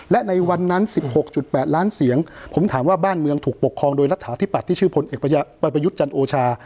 และในวันนั้น๑๖๘ล้านเสียงผมถามว่าบ้านเมืองถูกปกครองโดยรัฐาธิบัตย์ที่ชื่อพลเอกประยุทธ์จันทร์โอชา